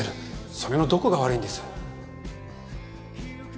それのどこが悪いんです？